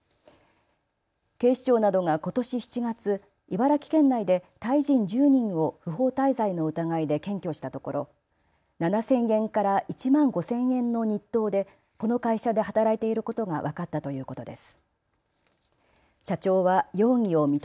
警視庁などがことし７月、茨城県内でタイ人１０人を不法滞在の疑いで検挙したところ７０００円から１万５０００円の日当でこの会社で働いていることが分かったということです。